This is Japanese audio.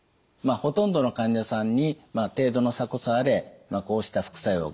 ほとんどの患者さんに程度の差こそあれこうした副作用が起こってきます。